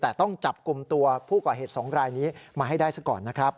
แต่ต้องจับกลุ่มตัวผู้ก่อเหตุ๒รายนี้มาให้ได้ซะก่อนนะครับ